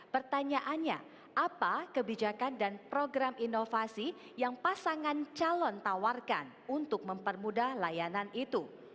pertanyaannya apa kebijakan dan program inovasi yang pasangan calon tawarkan untuk mempermudah layanan itu